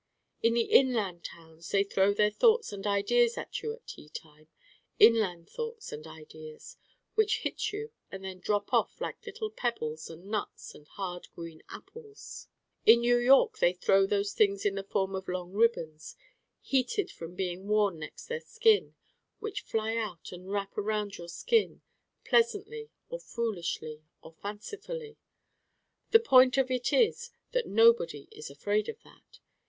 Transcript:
In the inland towns they throw their thoughts and ideas at you at tea time, inland thoughts and ideas, which hit you and then drop off like little pebbles and nuts and hard green apples. In New York they throw those things in the form of long ribbons, heated from being worn next their skin, which fly out and wrap around your skin: pleasantly or foolishly or fancifully. The point of it is that nobody is afraid of that.